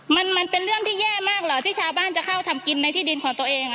มันมันเป็นเรื่องที่แย่มากเหรอที่ชาวบ้านจะเข้าทำกินในที่ดินของตัวเอง